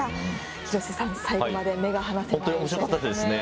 廣瀬さん、最後まで目が離せなかったですね。